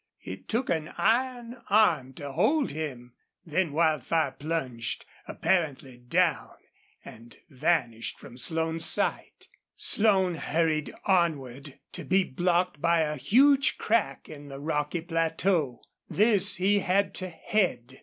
It took an iron arm to hold him. Then Wildfire plunged, apparently down, and vanished from Slone's sight. Slone hurried onward, to be blocked by a huge crack in the rocky plateau. This he had to head.